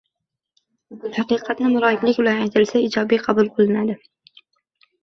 Haqiqatni muloyimlik bilan aytilsa, ijobiy qabul qilinadi.